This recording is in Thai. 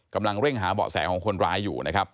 กำลังเร่งหาเบาะแสของคนร้ายอยู่นะครับ